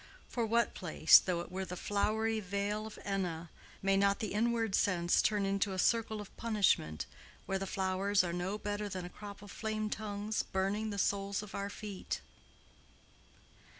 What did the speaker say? For what place, though it were the flowery vale of Enna, may not the inward sense turn into a circle of punishment where the flowers are no better than a crop of flame tongues burning the soles of our feet?